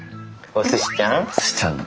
おすしちゃん。